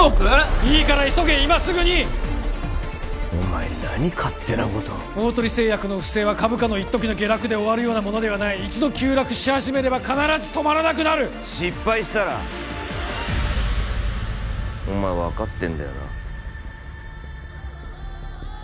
いいから急げ今すぐにお前何勝手なことを大鳥製薬の不正は株価の一時の下落で終わるようなものではない一度急落し始めれば必ず止まらなくなる失敗したらお前分かってんだよな？